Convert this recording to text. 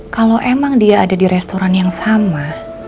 kalau emang dia ada di restoran yang sama